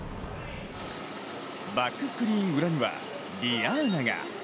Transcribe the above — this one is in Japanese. バックスクリーン裏にはディアーナが。